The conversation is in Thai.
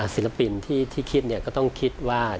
ศิลปินที่ที่คิดเนี่ยก็ต้องคิดว่า